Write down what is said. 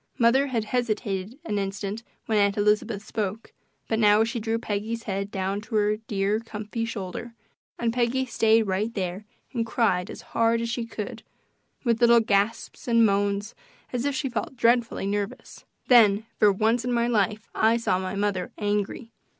Mother had hesitated an instant when Aunt Elizabeth spoke, but now she drew Peggy's head down to her dear, comfy shoulder, and Peggy stayed right there and cried as hard as she could with little gasps and moans as if she felt dreadfully nervous. Then, for once in my life, I saw my mother angry.